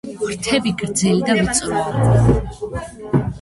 ფრთები გრძელი და ვიწროა.